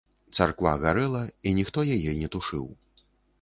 Царква гарэла, і ніхто яе не тушыў.